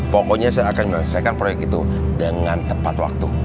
pokoknya saya akan menyelesaikan proyek itu dengan tepat waktu